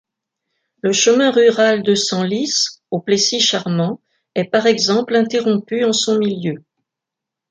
Le chemin rural de Senlis au Plessis-Chamant est par exemple interrompu en son milieu.